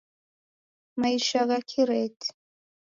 Maisha gha kireti